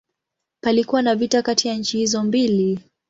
Palikuwa na vita kati ya nchi hizo mbili.